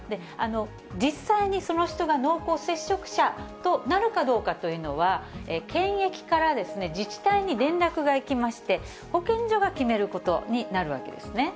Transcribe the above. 実際にその人が濃厚接触者となるかどうかというのは、検疫から自治体に連絡が行きまして、保健所が決めることになるわけですね。